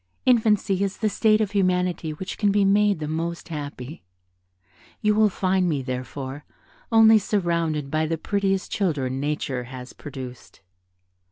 Infancy is the state of humanity which can be made the most happy; you will find me, therefore, only surrounded by the prettiest children nature has produced."